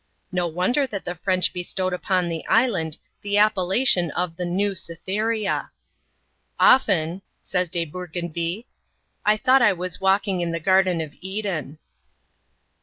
No wonder that the French bestowed upon the island the appellation of the New Cytherea. "Often," says De Bourgainville, " I thought I was walking in the Garden of Eden."